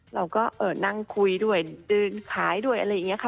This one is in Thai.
เราก็นั่งคุยด้วยเดินขายด้วยอะไรอย่างนี้ค่ะ